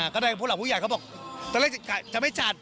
ก็ได้พวกเราผู้ใหญ่เขาบอกจะเล่นจะไม่จัด